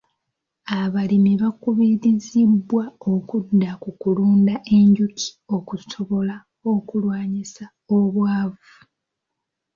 Abalimi baakubirizibwa okudda ku kulunda enjuki okusobola okulwanyisa obwavu.